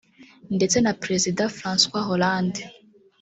ndetse na Perezida François Hollande